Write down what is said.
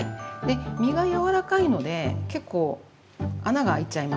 実が柔らかいので結構穴が開いちゃいます。